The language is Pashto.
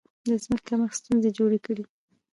د ځمکې کمښت ستونزې جوړې کړې.